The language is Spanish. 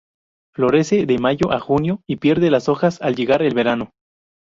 Florece de mayo a junio y pierde las hojas al llegar el verano.